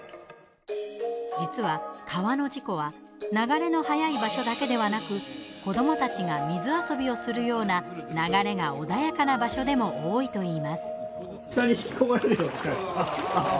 実は川の事故は流れの早い場所だけではなく子どもたちが水遊びをするような流れが穏やかな場所でも多いといいます。